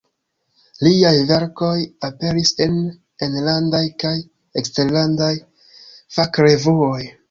Liaj verkoj aperis en enlandaj kaj eksterlandaj fakrevuoj.